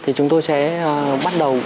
thì chúng tôi sẽ bắt đầu